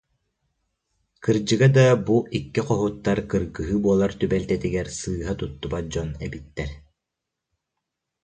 Кырдьыга да, бу икки хоһууттар кыргыһыы буолар түбэлтэтигэр сыыһа туттубат дьон эбиттэр